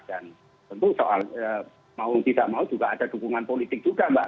dan tentu soal mau tidak mau juga ada dukungan politik juga mbak